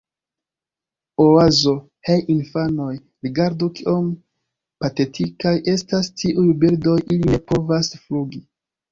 Oazo: "Hej infanoj, rigardu kiom patetikaj estas tiuj birdoj. Ili ne povas flugi."